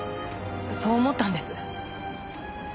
そう思ったんです。